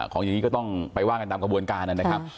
ของอย่างนี้ก็ต้องไปว่ากันตามกระบวนการนะครับ